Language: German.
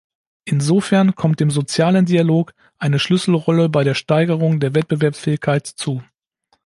Insofern kommt dem sozialen Dialog eine Schlüsselrolle bei der Steigerung der Wettbewerbsfähigkeit zu.